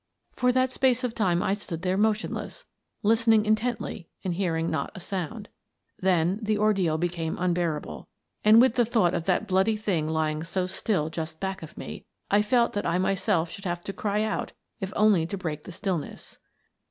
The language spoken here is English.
For that space of time I stood there motionless, listening intently and hearing not a sound. Then the ordeal became unbearable, and with the thought of that bloody thing lying so still just back of me, I felt that I myself should have to cry out if only to break the stillness.